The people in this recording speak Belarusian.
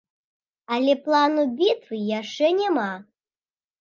Але плану бітвы яшчэ няма.